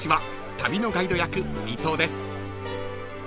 旅のガイド役伊藤です］